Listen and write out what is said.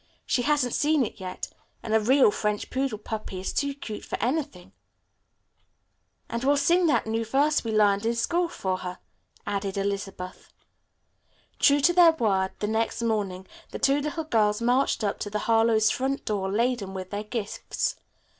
"She hasn't seen it yet. And a real French poodle puppy is too cute for anything." "And we'll sing that new verse we learned in school for her," added Elizabeth. True to their word, the next morning the two little girls marched up to the Harlowes' front door laden with their gifts.